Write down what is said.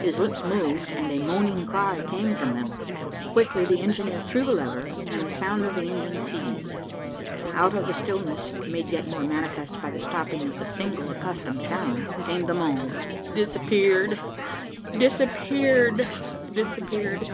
His lips moved, and a moaning cry came from them. Quickly the engineer threw the lever, and the sound of the engine ceased. Out of the stillness, made yet more manifest by the stopping of the single accustomed sound, came the moan. "Disappeared, disappeared, disappeared.